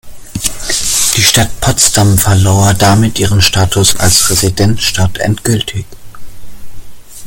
Die Stadt Potsdam verlor damit ihren Status als Residenzstadt endgültig.